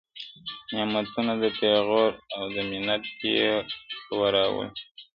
نعمتونه د پېغور او د مِنت یې وه راوړي,